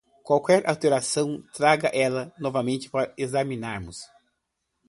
Qualquer alteração traga ela novamente para examinarmos.